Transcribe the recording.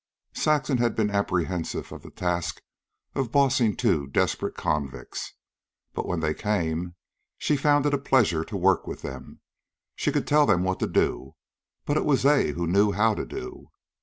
Saxon had been apprehensive of the task of bossing two desperate convicts; but when they came she found it a pleasure to work with them. She could tell them what to do, but it was they who knew how to do.